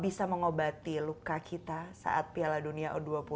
bisa mengobati luka kita saat piala dunia u dua puluh